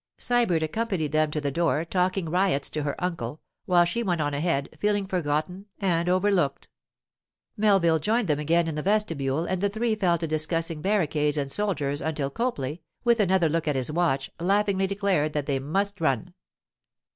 Sybert accompanied them to the door, talking riots to her uncle, while she went on ahead, feeling forgotten and overlooked. Melville joined them again in the vestibule, and the three fell to discussing barricades and soldiers until Copley, with another look at his watch, laughingly declared that they must run.